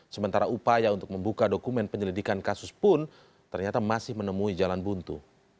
sementara upaya untuk membuka dokumen penyelidikan kasus pun ternyata masih menemui jalan buntu